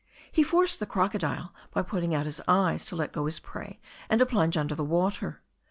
He forced the crocodile, by putting out his eyes, to let go his prey and to plunge under the water.